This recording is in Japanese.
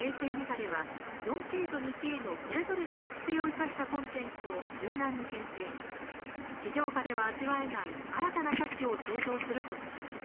２波では４Ｋと２Ｋのそれぞれの特性を生かしたコンテンツを柔軟に編成し地上波では味わえない新たな価値を創造するとしています。